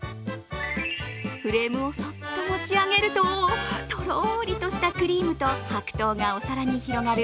フレームをそっと持ち上げると、とろりとしたクリームと白桃がお皿に広がる